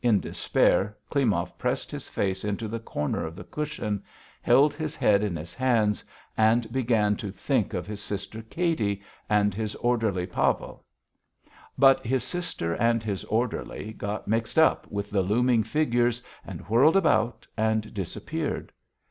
In despair Klimov pressed his face into the corner of the cushion, held his head in his hands, and again began to think of his sister Katy and his orderly Pavel; but his sister and his orderly got mixed up with the looming figures and whirled about and disappeared.